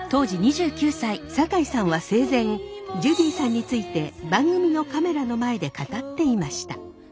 酒井さんは生前ジュディさんについて番組のカメラの前で語っていました。